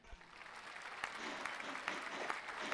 蒙自桂花为木犀科木犀属下的一个种。